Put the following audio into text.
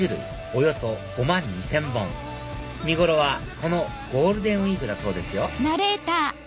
およそ５万２０００本見頃はこのゴールデンウイークだそうですよ